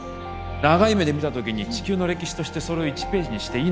長い目で見た時に地球の歴史としてそれを１ページにしていいのかっていうことですよね。